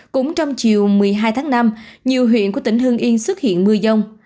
cũng trong chiều một mươi hai tháng năm nhiều huyện của tỉnh hương yên xuất hiện mưa dông